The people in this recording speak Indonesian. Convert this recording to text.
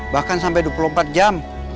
bahkan sampai dua puluh empat jam